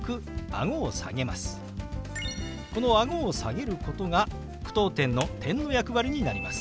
このあごを下げることが句読点の「、」の役割になります。